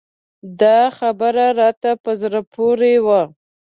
دا خبر راته په زړه پورې و.